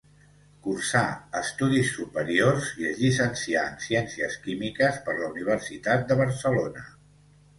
Cursà estudis superiors i es llicencià en Ciències Químiques per la Universitat de Barcelona.